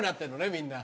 みんな。